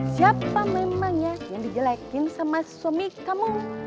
siapa memangnya yang dijelekin sama suami kamu